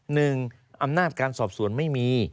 อำนาจการสอบสวนไม่มี